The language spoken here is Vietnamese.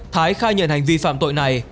thái khai nhận hành vi phạm tội này